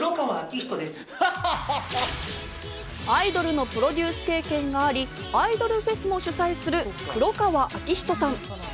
アイドルのプロデュース経験があり、アイドルフェスも主催する黒川明人さん。